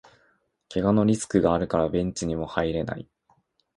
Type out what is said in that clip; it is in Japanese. けがのリスクがあるからベンチにも入れない